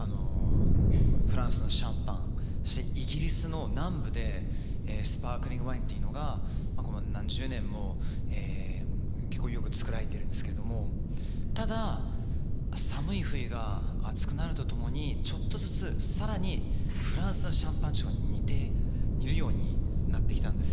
フランスのシャンパンそしてイギリスの南部でスパークリングワインというのが何十年も結構よく造られているんですけれどもただ寒い冬が暑くなるとともにちょっとずつ更にフランスのシャンパン地方に似て似るようになってきたんですよね。